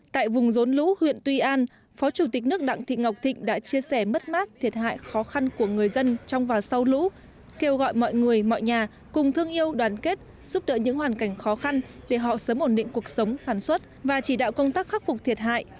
tại vùng rốn lũ huyện tuy an phó chủ tịch nước đặng thị ngọc thịnh đã chia sẻ mất mát thiệt hại khó khăn của người dân trong và sau lũ kêu gọi mọi người mọi nhà cùng thương yêu đoàn kết giúp đỡ những hoàn cảnh khó khăn để họ sớm ổn định cuộc sống sản xuất và chỉ đạo công tác khắc phục thiệt hại